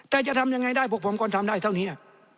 แต่จะทำยังไงได้พวกผมก็ทำได้เท่านี้